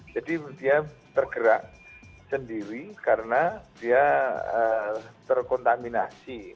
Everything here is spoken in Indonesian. jadi dia tergerak sendiri karena dia terkontaminasi